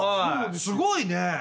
すごいね。